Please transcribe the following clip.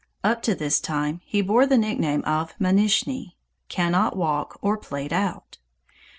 Up to this time he bore the nickname of Manishnee (Can not walk, or Played out.)